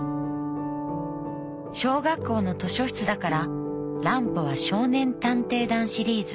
「小学校の図書室だから乱歩は少年探偵団シリーズ。